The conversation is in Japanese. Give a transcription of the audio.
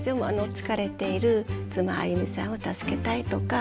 疲れている妻あゆみさんを助けたいとか。